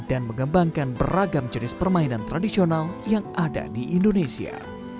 dan mengembangkan beragam jenis permainan tradisional yang ada di indonesia